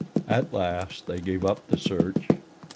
At last they gave up the search.